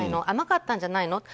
甘かったんじゃないの？